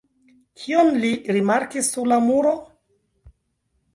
Kion li rimarkis sur la muro?